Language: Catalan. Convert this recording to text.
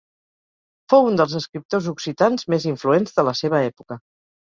Fou un dels escriptors occitans més influents de la seva època.